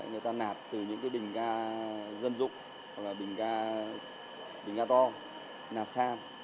người ta nạp từ những cái bình ga dân dụng hoặc là bình ga to nạp xa